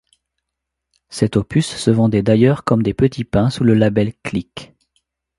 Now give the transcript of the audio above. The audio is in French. Cet opus se vendait d'ailleurs comme des petits pains sous le label Klik.